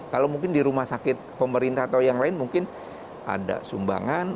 kalau mungkin di rumah sakit pemerintah atau yang lain mungkin ada sumbangan